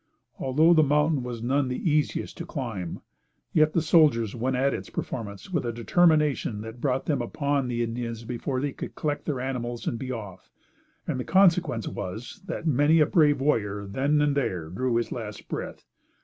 Although the mountain was none the easiest to climb, yet the soldiers went at its performance with a determination that brought them upon the Indians before they could collect their animals and be off, and the consequence was, that many a brave warrior then and there drew his last breath.